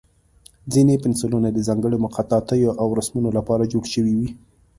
ځینې پنسلونه د ځانګړو خطاطیو او رسمونو لپاره جوړ شوي وي.